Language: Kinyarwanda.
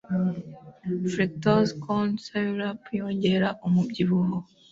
Fructose corn syrup yongera umubyibuho